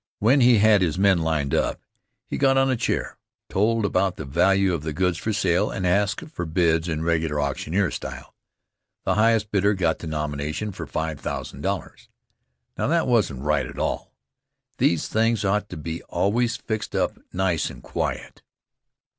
When he had his men lined up, he got on a chair, told about the value of the goods for sale, and asked for bids in regular auctioneer style. The highest bidder got the nomination for $5000. Now, that wasn't right at all. These things ought to be always fixed up nice and quiet.